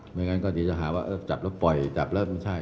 ไม่งั้นก็จะหาว่าจับแล้วปล่อยจับแล้วไม่ใช่